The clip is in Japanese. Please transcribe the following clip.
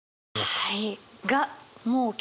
はい。